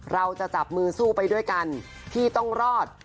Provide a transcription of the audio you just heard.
เราจะจับมือสู้ไปด้วยกันที่ต้องรอด